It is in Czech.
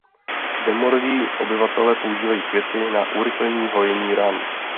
Domorodí obyvatelé používají květy na urychlení hojení ran.